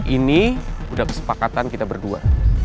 ini sudah kesepakatan kita berdua